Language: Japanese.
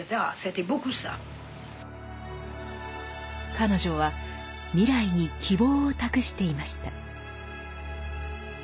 彼女は未来に希望を託していました。